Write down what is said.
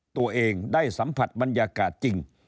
ตัวเองได้สัมผัสบรรยากาศจริง